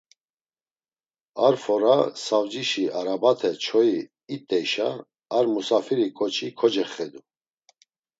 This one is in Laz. Ar fora Savcişi arabate çoyi it̆eyşa ar musafiri ǩoçi kocexedu.